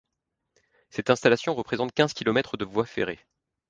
Cette installation représente quinze kilomètres de voies ferrées.